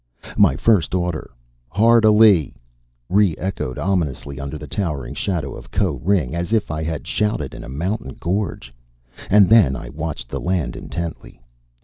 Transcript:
My first order "Hard alee!" re echoed ominously under the towering shadow of Koh ring as if I had shouted in a mountain gorge. And then I watched the land intently.